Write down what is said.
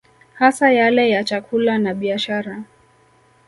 Hasa yale ya chakula na biashara